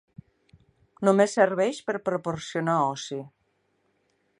Només serveix per proporcionar oci.